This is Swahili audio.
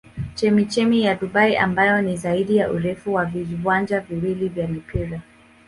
Chemchemi ya Dubai ambayo ni zaidi ya urefu wa viwanja viwili vya mpira.